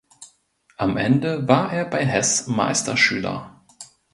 Am Ende war er bei Hess Meisterschüler.